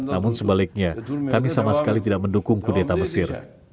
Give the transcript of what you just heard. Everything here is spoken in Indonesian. namun sebaliknya kami sama sekali tidak mendukung kudeta mesir